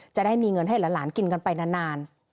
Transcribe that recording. จะได้มีเงินให้หลานกินกันไปนาน